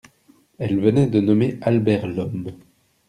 Elle venait de nommer Albert Lhomme.